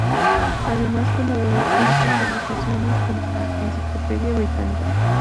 Además, colaboró con otras publicaciones como la Encyclopædia Britannica.